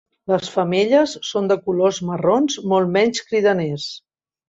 Les femelles són de colors marrons molt menys cridaners.